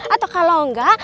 atau kalau enggak